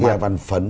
nguyễn văn phấn